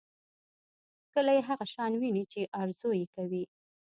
کلی هغه شان ويني چې ارزو یې کوي.